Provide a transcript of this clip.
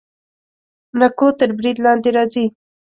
نکو تر برید لاندې راځي.